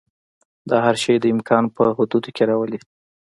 دا هر شی د امکان په حدودو کې راولي.